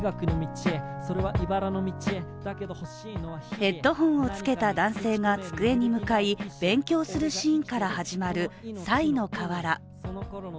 ヘッドホンをつけた男性が机に向かい勉強するシーンから始まる「ＳａｉｎｏＫａｗａｒａ」。